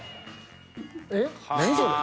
えっ何それ。